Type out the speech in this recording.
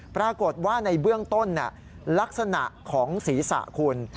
ปรากฏว่าในเบื้องต้นลักษณะของศีรษะคุณ